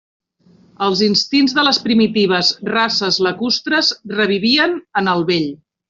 Els instints de les primitives races lacustres revivien en el vell.